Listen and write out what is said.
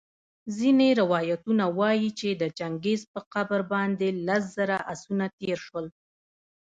ځیني روایتونه وايي چي د چنګیز په قبر باندي لس زره آسونه تېرسول